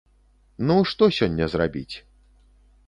Ну што сёння зрабіць?